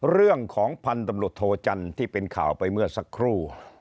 เรื่องของพันธุ์ตำรวจโทจันทร์ที่เป็นข่าวไปเมื่อสักครู่